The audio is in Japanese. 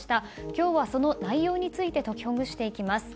今日はその内容について解きほぐしていきます。